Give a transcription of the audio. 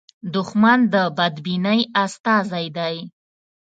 دښمن د بدبینۍ استازی دی